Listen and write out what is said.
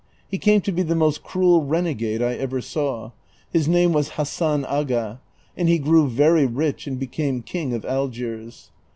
He came to be the most cruel renegade I ever saw : his name Avas Hassan Aga/ and he grew very rich and became Iving of Algiers.